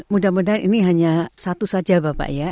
mudah mudahan ini hanya satu saja bapak ya